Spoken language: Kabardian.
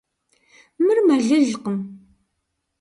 Мыр мэлылкъым.